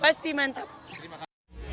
luar biasa mantap pasti mantap